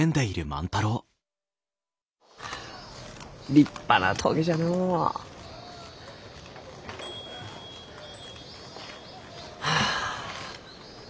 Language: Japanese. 立派なトゲじゃのう。はあ。